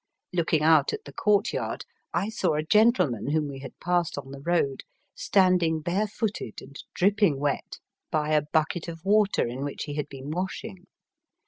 Looking out at the courtyard, I saw a gentleman whom we had passed on the road standing bare footed and dripping wet by a bucket of water in which he had been washing.